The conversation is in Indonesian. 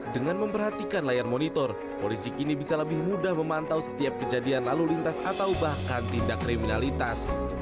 dengan memperhatikan layar monitor polisi kini bisa lebih mudah memantau setiap kejadian lalu lintas atau bahkan tindak kriminalitas